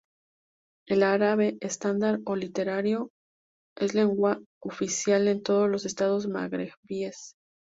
El árabe estándar o literario es lengua oficial en todos los Estados magrebíes.